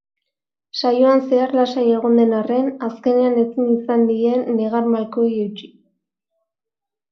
Saioan zehar lasai egon den arren, azkenean ezin izan die negar-malkoei eutsi.